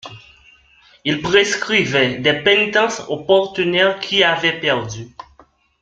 Il prescrivait des pénitences aux partenaires qui avaient perdu.